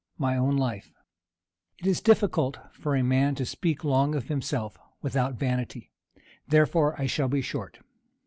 MY OWN LIFE. It is difficult for a man to speak long of himself without vanity; therefore I shall be short.